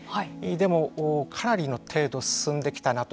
でもかなりの程度進んできたなと。